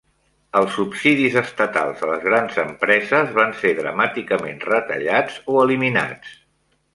Els subsidis estatals a les grans empreses van ser dramàticament retallats o eliminats.